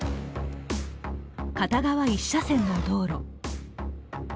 片側一車線の道路。